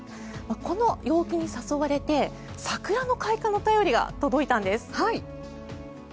この陽気に誘われて桜の開花の便りが届いたんです。